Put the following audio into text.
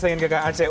telinga ke kang aceh